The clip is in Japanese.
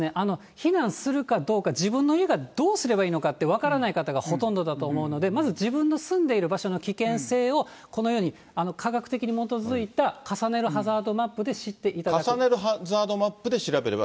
避難するかどうか、自分の家がどうすればいいのかっていうのが分からない方がほとんどだと思うので、まず自分の住んでいる場所の危険性を、このように、科学的に基づいた、重ねるハザードマップ重ねるハザードマップで調べ